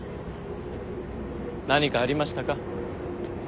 何かありましたか？